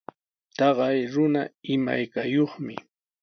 Taqay runa imaykayuqmi.